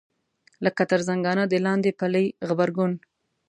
لکه تر زنګانه د لاندې پلې غبرګون.